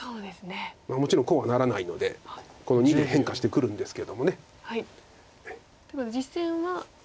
まあもちろんこうはならないのでこの②に変化してくるんですけども。ということで実戦は。